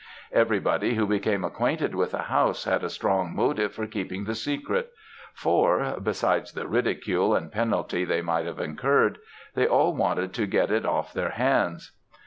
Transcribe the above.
Everybody, who became acquainted with the house, had a strong motive for keeping the secret; for besides the ridicule and penalty they might have incurred they all wanted to get it off their hands.